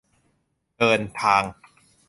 เดินทาง !